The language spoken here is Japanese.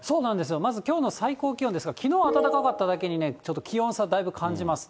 まずきょうの最高気温ですが、きのう暖かっただけにね、ちょっと気温差だいぶ感じます。